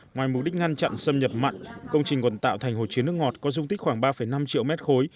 ngoài mục đích ngăn chặn xâm nhập mặn công trình còn tạo thành hồ chứa nước ngọt có dung tích khoảng ba năm triệu mét khối